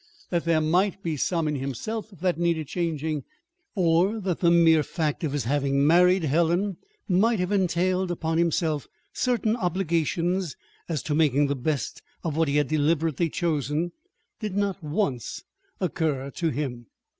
That there might be some in himself that needed changing, or that the mere fact of his having married Helen might have entailed upon himself certain obligations as to making the best of what he had deliberately chosen, did not once occur to him.